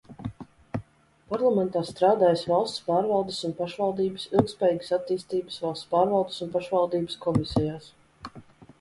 Parlamentā strādājis valsts pārvaldes un pašvaldības, ilgtspējīgas attīstības, valsts pārvaldes un pašvaldības komisijās.